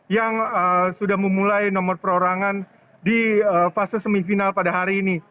yang sudah memulai nomor perorangan di fase semifinal pada hari ini